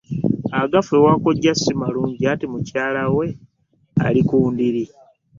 Agafa ewa kkojja si malungi anti mukyala we akyali ku ndiri.